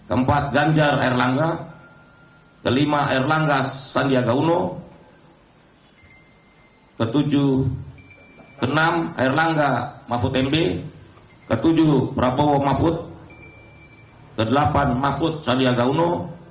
enam erlangga mahfud mb tujuh prabowo mahfud delapan mahfud sandiaga uno